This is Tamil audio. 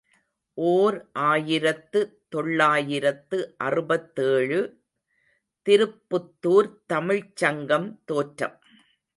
ஓர் ஆயிரத்து தொள்ளாயிரத்து அறுபத்தேழு ● திருப்புத்துர்த் தமிழ்ச் சங்கம் தோற்றம்.